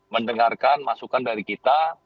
mendengarkan masukan dari kita